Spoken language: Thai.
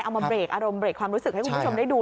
มาเบรกอารมณ์เบรกความรู้สึกให้คุณผู้ชมได้ดู